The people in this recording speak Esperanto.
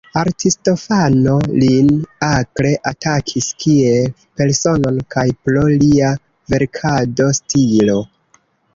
Aristofano lin akre atakis kiel personon kaj pro lia verkado-stilo.